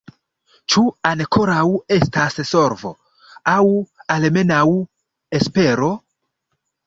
Ĉu ankoraŭ estas solvo, aŭ almenaŭ espero?